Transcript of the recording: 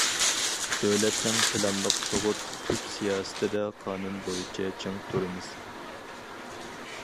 دۆلەتنىڭ پىلانلىق تۇغۇت تۈپ سىياسىتىدە قانۇن بويىچە چىڭ تۇرىمىز.